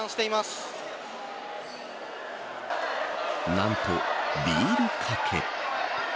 なんと、ビールかけ。